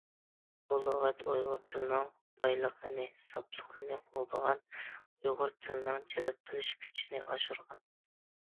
بۇ لۇغەت ئۇيغۇر تىلىنىڭ بايلىقىنى، ساپلىقىنى قوغدىغان، ئۇيغۇر تىلىنىڭ جەلپ قىلىش كۈچىنى ئاشۇرغان.